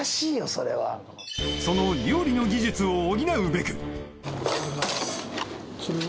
それはその料理の技術を補うべくそれは？